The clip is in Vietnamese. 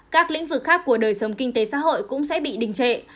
các lĩnh vực khác của đời sống kinh tế xã hội cũng sẽ bị đình trệ